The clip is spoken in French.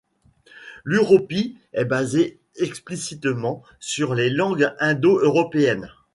L'uropi est basée explicitement sur les langues indo-européennes.